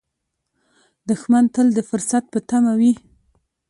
دښمن تل د فرصت په تمه وي